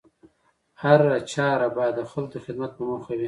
هره چاره بايد د خلکو د خدمت په موخه وي